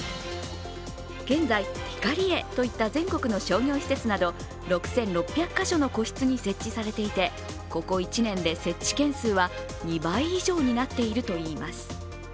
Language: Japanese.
現在、ヒカリエといった全国の商業施設など６６００か所の個室に設置されていてここ１年で設置件数は２倍以上になっているといいます。